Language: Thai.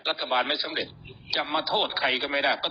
รัฐบาลไม่สำเร็จจะมาโทษใครก็ไม่ได้ก็